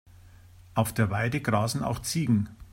Auf der Weide grasen auch Ziegen.